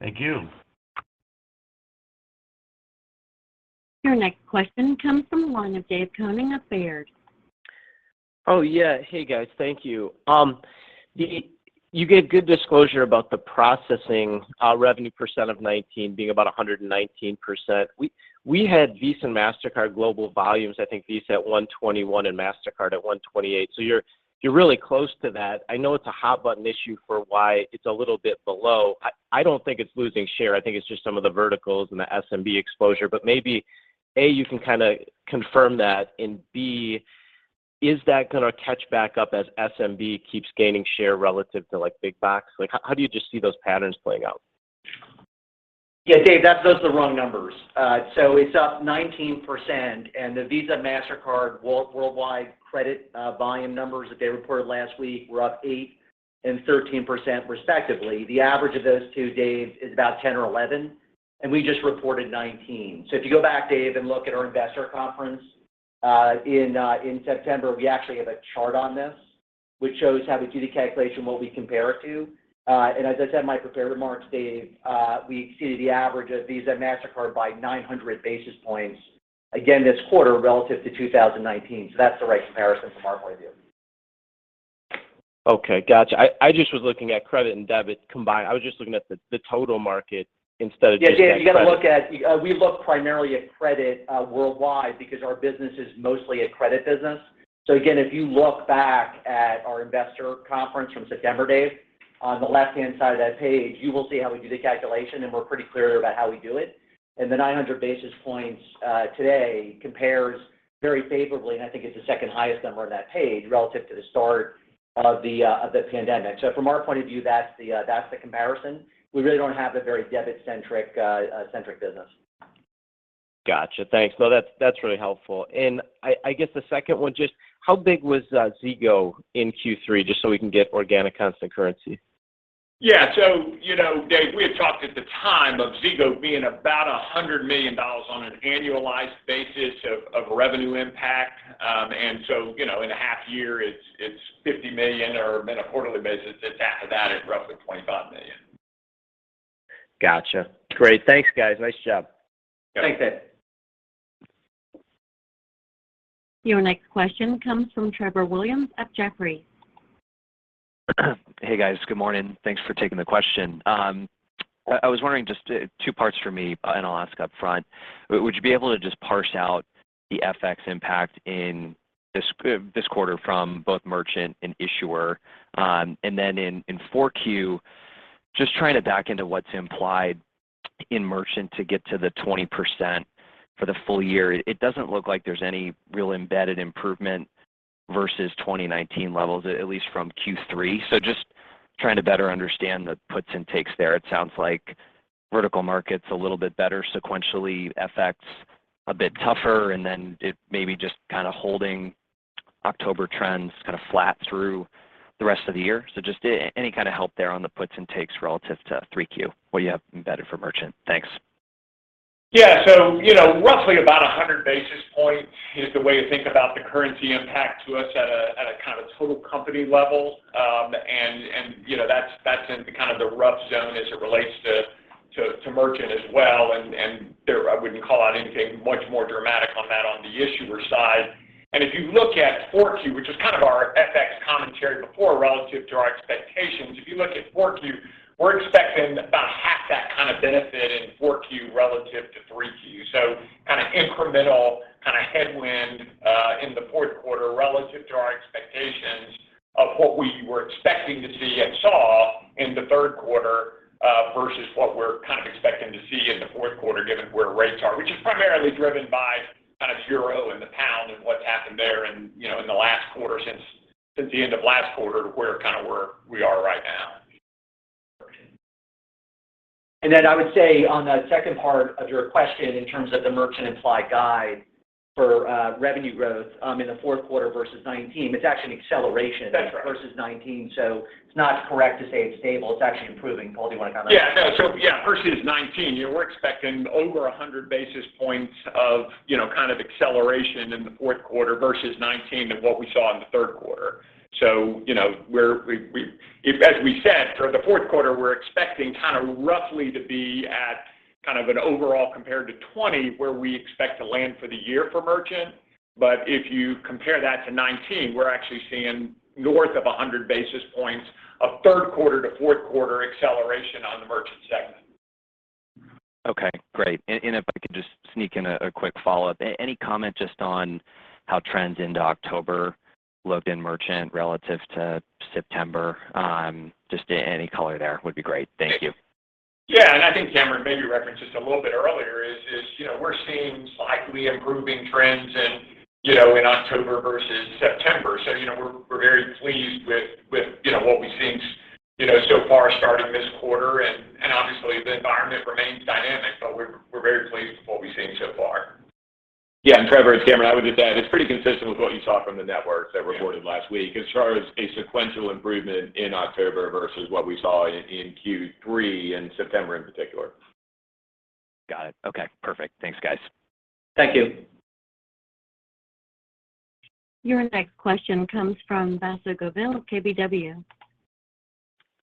Thank you. Your next question comes from the line of Dave Koning of Baird. Hey, guys. Thank you. You gave good disclosure about the processing revenue percent of 19 being about 119%. We had Visa and Mastercard global volumes, I think Visa at 121 and Mastercard at 128. You're really close to that. I know it's a hot button issue for why it's a little bit below. I don't think it's losing share. I think it's just some of the verticals and the SMB exposure. But maybe, A, you can kind of confirm that, and B, is that gonna catch back up as SMB keeps gaining share relative to like big box? Like, how do you just see those patterns playing out? Yeah, Dave, that's the wrong numbers. It's up 19%, and the Visa Mastercard worldwide credit volume numbers that they reported last week were up 8% and 13% respectively. The average of those two, Dave, is about 10 or 11, and we just reported 19. If you go back, Dave, and look at our investor conference in September, we actually have a chart on this which shows how the GP calculation, what we compare it to. As I said in my prepared remarks, Dave, we exceeded the average of Visa and Mastercard by 900 basis points again this quarter relative to 2019. That's the right comparison from our point of view. Okay. Gotcha. I just was looking at credit and debit combined. I was just looking at the total market instead of just credit. Yeah, Dave, we look primarily at credit, worldwide because our business is mostly a credit business. Again, if you look back at our investor conference from September, Dave, on the left-hand side of that page, you will see how we do the calculation, and we're pretty clear about how we do it. The 900 basis points today compares very favorably, and I think it's the second highest number on that page relative to the start of the pandemic. From our point of view, that's the comparison. We really don't have a very debit-centric business. Gotcha. Thanks. No, that's really helpful. I guess the second one, just how big was Zego in Q3, just so we can get organic constant currency? Yeah. Dave, we had talked at the time of Zego being about $100 million on an annualized basis of revenue impact. You know, in a half year, it's $50 million, or in a quarterly basis, it's half of that. It's roughly $25 million. Gotcha. Great. Thanks, guys. Nice job. Thanks, Dave. Your next question comes from Trevor Williams at Jefferies. Hey, guys. Good morning. Thanks for taking the question. I was wondering just two parts for me and I'll ask up front. Would you be able to just parse out the FX impact in this quarter from both merchant and issuer? In Q4, just trying to back into what's implied in merchant to get to the 20% for the full year. It doesn't look like there's any real embedded improvement versus 2019 levels, at least from Q3. Just trying to better understand the puts and takes there. It sounds like vertical market's a little bit better sequentially, FX bit tougher and then it maybe just kind of holding October trends kind of flat through the rest of the year. Just any kind of help there on the puts and takes relative to 3Q, what you have embedded for merchant. Thanks. Yeah. Roughly about 100 basis points is the way to think about the currency impact to us at a kind of total company level. You know, that's in kind of the rough zone as it relates to merchant as well. There, I wouldn't call out anything much more dramatic on that on the issuer side. If you look at 4Q, which is kind of our FX commentary before relative to our expectations. If you look at 4Q, we're expecting about half that kind of benefit in 4Q relative to 3Q. Kind of incremental, kind of headwind in the fourth quarter relative to our expectations of what we were expecting to see and saw in the third quarter versus what we're kind of expecting to see in the fourth quarter given where rates are. Which is primarily driven by kind of euro and the pound and what's happened there and, you know, in the last quarter since the end of last quarter where we are right now. Then I would say on the second part of your question in terms of the merchant implied guide for revenue growth in the fourth quarter versus 2019, it's actually an acceleration. That's right. Versus 19. It's not correct to say it's stable, it's actually improving. Paul, do you want to comment? Versus 2019, you know, we're expecting over 100 basis points of, you know, kind of acceleration in the fourth quarter versus 2019 of what we saw in the third quarter. As we said, for the fourth quarter, we're expecting kind of roughly to be at kind of an overall compared to 2020 where we expect to land for the year for Merchant. But if you compare that to 2019, we're actually seeing north of 100 basis points of third quarter to fourth quarter acceleration on the Merchant segment. Okay, great. If I could just sneak in a quick follow-up. Any comment just on how trends into October looked in merchant relative to September? Just any color there would be great. Thank you. Yeah, I think Cameron maybe referenced this a little bit earlier, you know, we're seeing slightly improving trends in, you know, in October versus September. We're very pleased with, you know, what we've seen, you know, so far starting this quarter. Obviously, the environment remains dynamic, but we're very pleased with what we've seen so far. Yeah. Trevor, it's Cameron. I would just add, it's pretty consistent with what you saw from the networks that reported last week as far as a sequential improvement in October versus what we saw in Q3 and September in particular. Got it. Okay, perfect. Thanks, guys. Thank you. Your next question comes from Vasundhara Govil of KBW.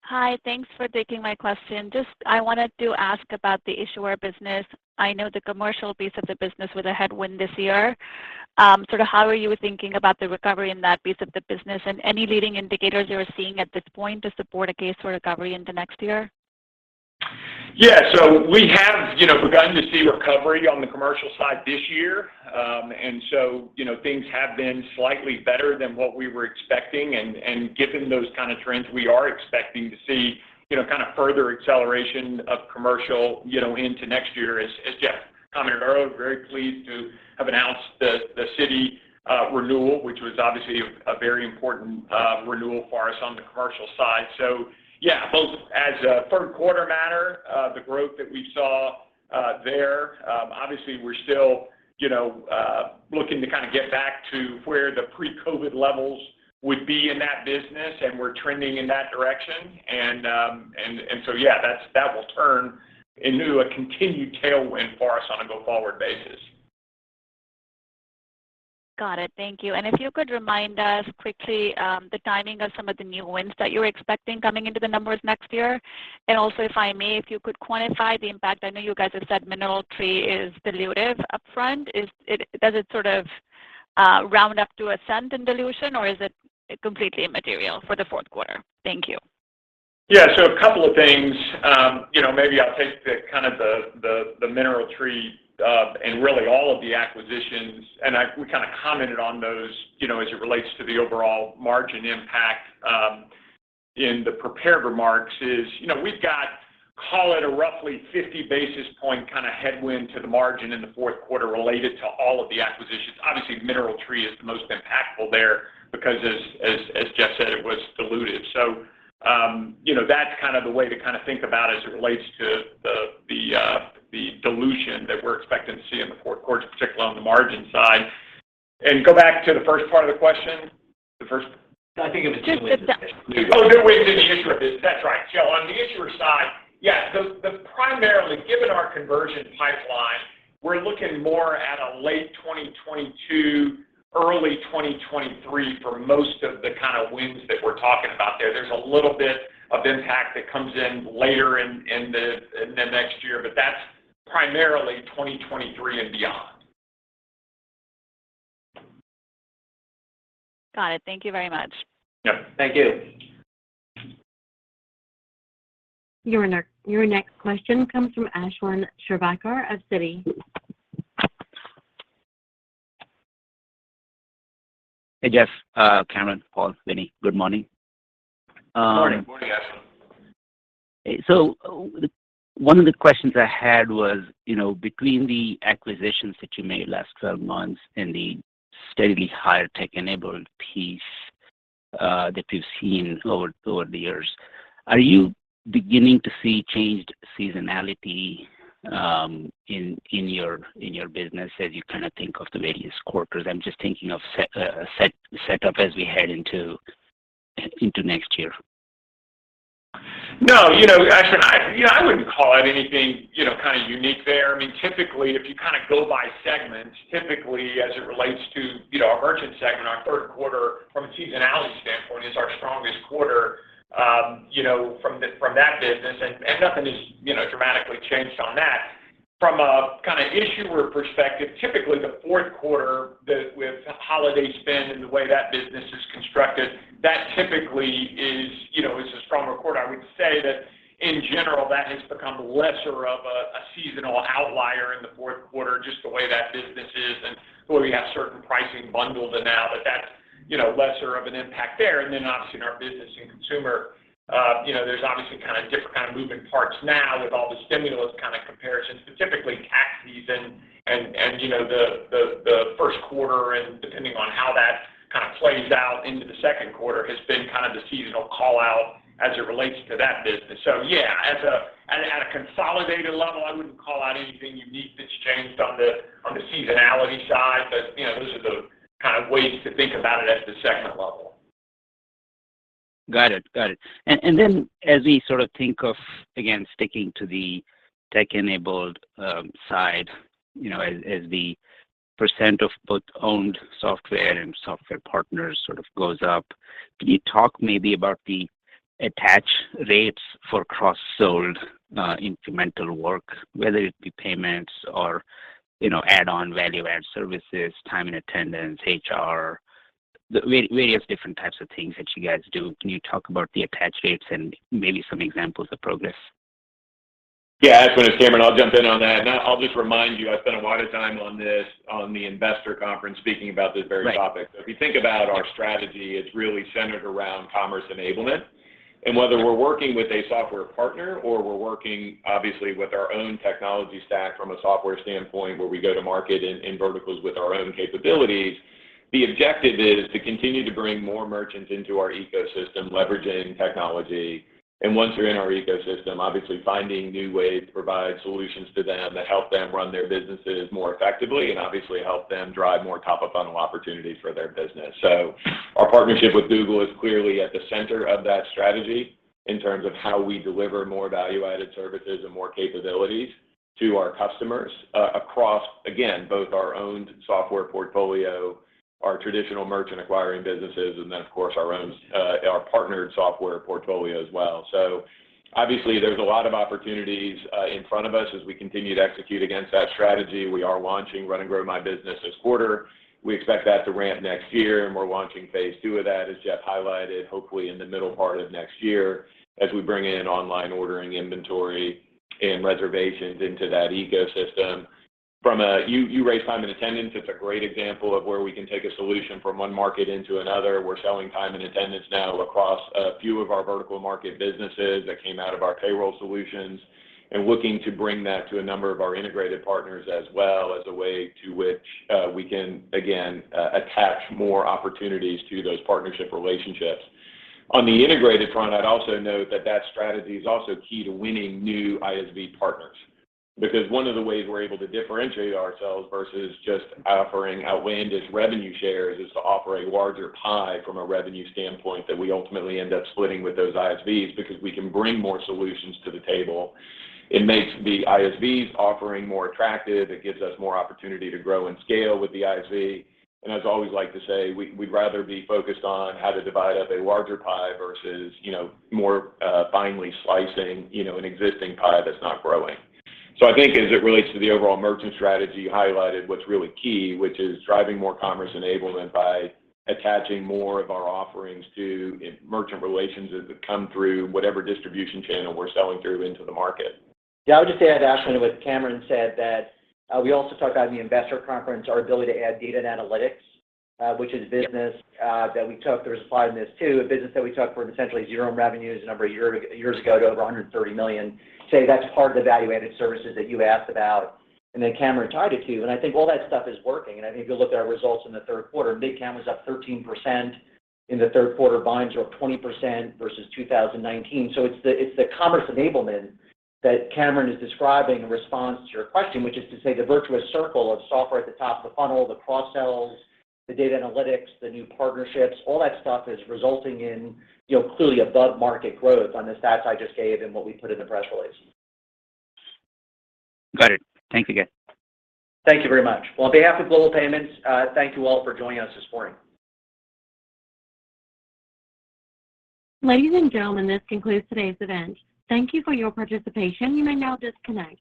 Hi, thanks for taking my question. Just I wanted to ask about the issuer business. I know the commercial piece of the business was a headwind this year. Sort of how are you thinking about the recovery in that piece of the business? And any leading indicators you are seeing at this point to support a case for recovery in the next year? Yeah. We have, you know, begun to see recovery on the commercial side this year. Things have been slightly better than what we were expecting. Given those kind of trends, we are expecting to see, you know, kind of further acceleration of commercial, you know, into next year. As Jeff commented earlier, we're very pleased to have announced the Citi renewal, which was obviously a very important renewal for us on the commercial side. Yeah, both as a third quarter matter, the growth that we saw there. Obviously, we're still, you know, looking to kind of get back to where the pre-COVID levels would be in that business, and we're trending in that direction. That will turn into a continued tailwind for us on a go-forward basis. Got it. Thank you. If you could remind us quickly the timing of some of the new wins that you're expecting coming into the numbers next year. Also, if I may, if you could quantify the impact. I know you guys have said MineralTree is dilutive upfront. Does it sort of round up to a cent in dilution, or is it completely immaterial for the fourth quarter? Thank you. Yeah. A couple of things. Maybe I'll take the MineralTree and really all of the acquisitions, and we kind of commented on those, you know, as it relates to the overall margin impact in the prepared remarks. You know, we've got, call it, a roughly 50 basis points kind of headwind to the margin in the fourth quarter related to all of the acquisitions. Obviously, MineralTree is the most impactful there because as Jeff said, it was dilutive. That's kind of the way to kind of think about as it relates to the dilution that we're expecting to see in the fourth quarter, particularly on the margin side. Go back to the first part of the question. The first- I think it was new wins in the issuer business. Oh, new wins in the issuer business. That's right. On the issuer side, yes. Primarily, given our conversion pipeline, we're looking more at a late 2022, early 2023 for most of the kind of wins that we're talking about there. There's a little bit of impact that comes in later in the next year, but that's primarily 2023 and beyond. Got it. Thank you very much. Yep. Thank you. Your next question comes from Ashwin Shirvaikar of Citi. Hey, Jeff, Cameron, Paul, Winnie. Good morning. Morning. Morning, Ashwin. one of the questions I had was, you know, between the acquisitions that you made last 12 months and the steadily higher tech-enabled piece That we've seen over the years. Are you beginning to see changed seasonality in your business as you kinda think of the various quarters? I'm just thinking of setup as we head into next year. No, you know, Ashwin, you know, I wouldn't call out anything, you know, kinda unique there. I mean, typically, if you kinda go by segments, typically as it relates to, you know, our merchant segment, our third quarter from a seasonality standpoint is our strongest quarter, you know, from that business and nothing has, you know, dramatically changed on that. From a kinda issuer perspective, typically the fourth quarter that with holiday spend and the way that business is constructed, that typically is a stronger quarter. I would say that in general, that has become lesser of a seasonal outlier in the fourth quarter, just the way that business is and the way we have certain pricing bundles and that, but that's, you know, lesser of an impact there. Then obviously in our business and consumer, you know, there's obviously kind of different kind of moving parts now with all the stimulus kind of comparisons, specifically tax season and, you know, the first quarter and depending on how that kind of plays out into the second quarter has been kind of the seasonal call-out as it relates to that business. Yeah, at a consolidated level, I wouldn't call out anything unique that's changed on the seasonality side, but, you know, those are the kind of ways to think about it at the segment level. Got it. As we sort of think of, again, sticking to the tech-enabled side, you know, as the percent of both owned software and software partners sort of goes up, can you talk maybe about the attach rates for cross-sold incremental work, whether it be payments or, you know, add-on value-add services, time and attendance, HR, the various different types of things that you guys do. Can you talk about the attach rates and maybe some examples of progress? Yeah. Ashwin, it's Cameron. I'll jump in on that. I'll just remind you, I spent a lot of time on this on the investor conference speaking about this very topic. Right. If you think about our strategy, it's really centered around commerce enablement. Whether we're working with a software partner or we're working obviously with our own technology stack from a software standpoint where we go to market in verticals with our own capabilities, the objective is to continue to bring more merchants into our ecosystem leveraging technology. Once they're in our ecosystem, obviously finding new ways to provide solutions to them that help them run their businesses more effectively and obviously help them drive more top-of-funnel opportunities for their business. Our partnership with Google is clearly at the center of that strategy in terms of how we deliver more value-added services and more capabilities to our customers, across, again, both our owned software portfolio, our traditional merchant acquiring businesses, and then of course our own partnered software portfolio as well. Obviously there's a lot of opportunities in front of us as we continue to execute against that strategy. We are launching Run and Grow My Business this quarter. We expect that to ramp next year, and we're launching phase two of that, as Jeff highlighted, hopefully in the middle part of next year as we bring in online ordering inventory and reservations into that ecosystem. You raised time and attendance. It's a great example of where we can take a solution from one market into another. We're selling time and attendance now across a few of our vertical market businesses that came out of our payroll solutions and looking to bring that to a number of our integrated partners as well as a way in which we can again attach more opportunities to those partnership relationships. On the integrated front, I'd also note that strategy is also key to winning new ISV partners because one of the ways we're able to differentiate ourselves versus just offering outlandish revenue shares is to offer a larger pie from a revenue standpoint that we ultimately end up splitting with those ISVs because we can bring more solutions to the table. It makes the ISV's offering more attractive. It gives us more opportunity to grow and scale with the ISV. As I always like to say, we'd rather be focused on how to divide up a larger pie versus, you know, more finely slicing, you know, an existing pie that's not growing. I think as it relates to the overall merchant strategy, you highlighted what's really key, which is driving more commerce enablement by attaching more of our offerings to merchant relationships that come through whatever distribution channel we're selling through into the market. Yeah. I would just add, Ashwin, to what Cameron said that we also talked about in the investor conference our ability to add data and analytics, which is business that we took. There's upside in this too, a business that we took from essentially zero revenues a number of years ago to over $130 million. That's part of the value-added services that you asked about and that Cameron tied it to. I think all that stuff is working. I think if you look at our results in the third quarter, Mid-Market was up 13% in the third quarter. lines were up 20% versus 2019. It's the commerce enablement that Cameron is describing in response to your question, which is to say the virtuous circle of software at the top of the funnel, the cross-sells, the data analytics, the new partnerships, all that stuff is resulting in, you know, clearly above market growth on the stats I just gave and what we put in the press release. Got it. Thanks again. Thank you very much. Well, on behalf of Global Payments, thank you all for joining us this morning. Ladies and gentlemen, this concludes today's event. Thank you for your participation. You may now disconnect.